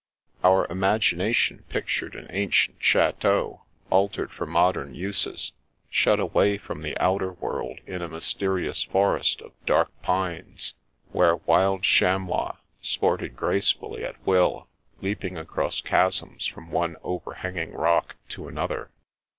Our imagination pictured an ancient chateau, altered for modem uses, shut away from the outer world in a mysterious forest of dark pines, where wild chamois sported gracefully at will, leaping across chasms from one overhanging rock to another.